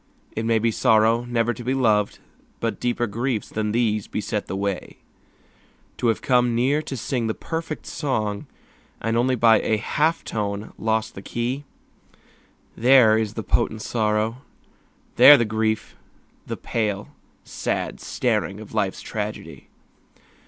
It may be sorrow never to be loved, But deeper griefs than these beset the way. To have come near to sing the perfect song And only by a half tone lost the key, There is the potent sorrow, there the grief, The pale, sad staring of life's tragedy.